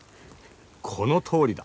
このとおりだ。